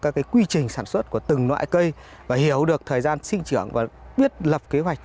các quy trình sản xuất của từng loại cây và hiểu được thời gian sinh trưởng và biết lập kế hoạch